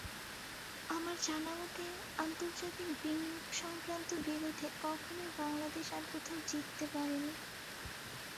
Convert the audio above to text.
আমার জানামতে আন্তর্জাতিক বিনিয়োগসংক্রান্ত বিরোধে কখনোই বাংলাদেশ আর কোথাও জিততে পারেনি।